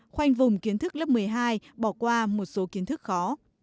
khoanh vùng kiến thức lớp một mươi hai bỏ qua một số kiến thức khó